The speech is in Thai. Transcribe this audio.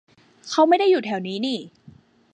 เขาไม่ได้อยู่แถวนี้นี่